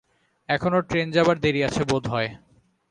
এখনো ট্রেন যাবার দেরি আছে বোধ হয়।